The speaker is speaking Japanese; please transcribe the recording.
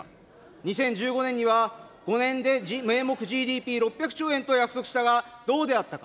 ２０１５年には、５年で名目ＧＤＰ６００兆円と約束したが、どうであったか。